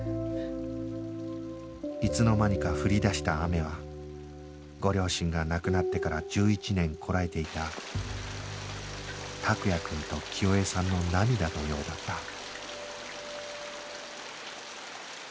いつの間にか降り出した雨はご両親が亡くなってから１１年こらえていた託也くんと清江さんの涙のようだった